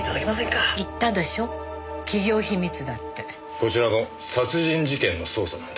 こちらも殺人事件の捜査なんです。